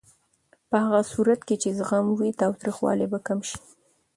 په هغه صورت کې چې زغم وي، تاوتریخوالی به کم شي.